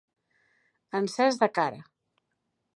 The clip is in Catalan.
Encès de cara.